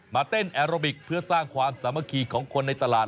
เต้นแอโรบิกเพื่อสร้างความสามัคคีของคนในตลาด